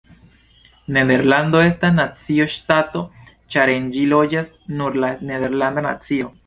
Nederlando estas nacio-ŝtato ĉar en ĝi loĝas nur la nederlanda nacio.